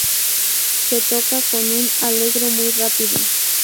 Se toca en un "allegro" muy rápido.